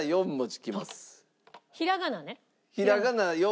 ひらがなね。